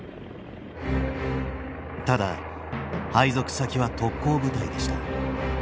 ただ配属先は特攻部隊でした。